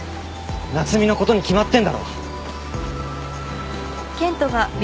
夏海のことに決まってんだろ。